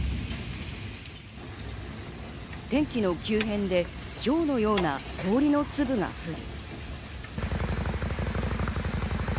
天気の急変でひょうのような氷の粒が降り。